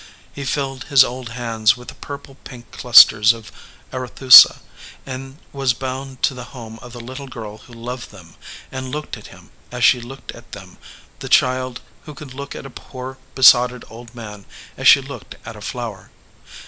He filled his old hands with the purple pink clusters of arethusa, and was bound to the home of the little girl who loved them, and looked at him as she looked at them the child who could look at a poor besotted old man as she looked at a flower.